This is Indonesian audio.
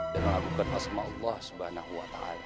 dan mengagumkan asma allah subhanahu wa ta'ala